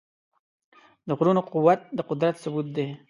د غرونو قوت د قدرت ثبوت دی.